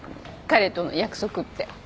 彼との約束って。